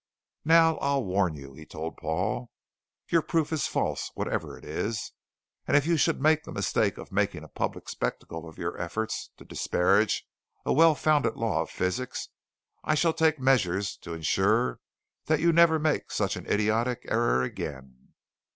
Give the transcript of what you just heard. "Now I'll warn you," he told Paul. "Your proof is false, whatever it is. And if you should make the mistake of making a public spectacle of your efforts to disparage a well founded law of physics, I shall take measures to ensure that you never make such an idiotic error again."